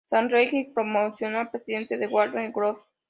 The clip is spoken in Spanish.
Sam Register, promovido a presidente de Warner Bros.